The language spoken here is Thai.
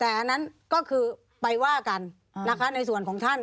แต่อันนั้นก็คือไปว่ากันนะคะในส่วนของท่าน